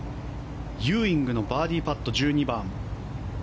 ユーイングのバーディーパット１２番。